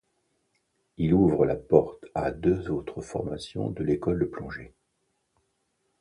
Il ouvre la porte a deux autres formations de l'école de plongée.